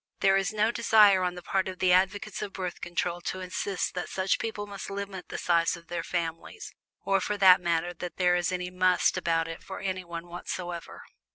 There is no desire on the part of the advocates of Birth Control to insist that such people must limit the size of their families or for that matter that there is any "must" about it for anyone whatsoever.